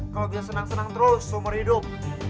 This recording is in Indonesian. kalau dia senang senang terus seumur hidup